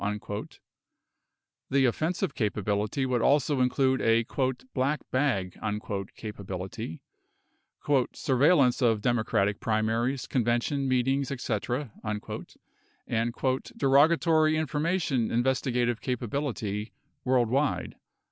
43 The offensive capability would also in clude a "black bag" capability, "surveillance of Democratic primaries, convention, meetings, et cetera," and "derogatory information in vestigative capability, worldwide."